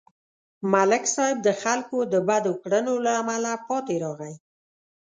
ملک صاحب د خلکو د بدو کړنو له امله پاتې راغی.